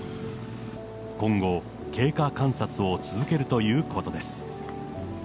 今後、経過観察を続けるということです。